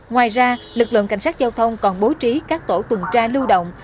ngoài ra lực lượng cảnh sát giao thông còn bố trí các tổ tuần tra lưu động